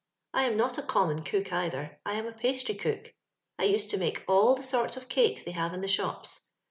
I am not a common cook, either; I sm a pastrycook. I used to nuike all the sorts of cakes they have in the sbopa.